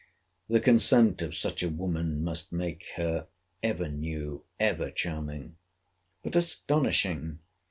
The consent of such a woman must make her ever new, ever charming. But astonishing!